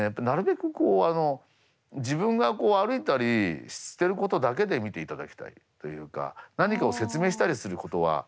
なるべくこうあの自分がこう歩いたりしてることだけで見ていただきたいというか何かを説明したりすることは。